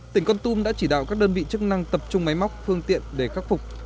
tỉnh con tum đã chỉ đạo các đơn vị chức năng tập trung máy móc phương tiện để khắc phục